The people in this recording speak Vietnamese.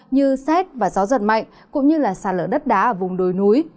như xét và gió giật mạnh cũng như sạt lở đất đá ở vùng đồi núi